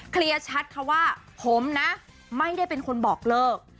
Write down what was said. เคลียร์ชัดค่ะว่าผมนะไม่ได้เป็นคนบอกเลิก